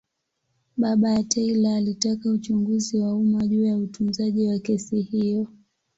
Baba ya Taylor alitaka uchunguzi wa umma juu ya utunzaji wa kesi hiyo.